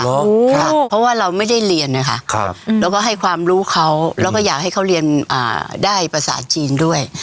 เพราะว่าเราไม่ได้เรียนนะคะแล้วก็ให้ความรู้เขาแล้วก็อยากให้เขาเรียนได้ภาษาจีนด้วย